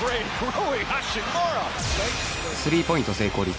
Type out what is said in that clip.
スリーポイント成功率